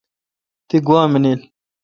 تی گوا منیل